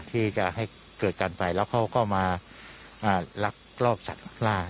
ที่จะให้เกิดการไปแล้วเขาก็มาลักลอบสัตว์ล่า